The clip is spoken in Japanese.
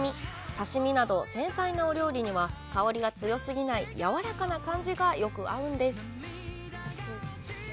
刺身など、繊細なお料理には、香りが強すぎない、やわらかな感じがよく合うんです。